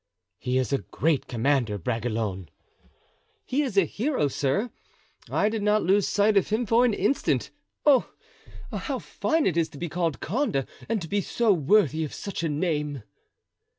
"He is a great commander, Bragelonne." "He is a hero, sir. I did not lose sight of him for an instant. Oh! how fine it is to be called Condé and to be so worthy of such a name!"